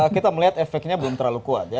kita melihat efeknya belum terlalu kuat ya